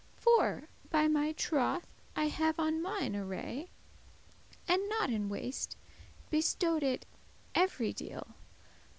For, by my troth, I have on mine array, And not in waste, bestow'd it every deal.